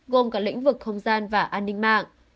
gồm cả lĩnh vực không gian và an ninh mạng